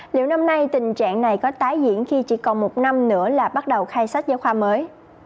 liệu năm nay tình trạng này có tái diễn khi chỉ còn một năm nữa là bắt đầu khai sách giáo khoa mới